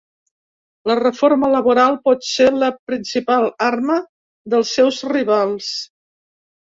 La reforma laboral pot ser la principal arma dels seus rivals.